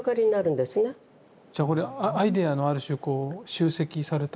じゃあこれアイデアのある種こう集積されたものみたいな。